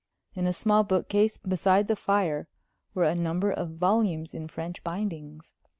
In a small bookcase beside the fire were a number of volumes in French bindings.